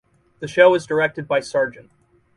The show was directed by Sgt.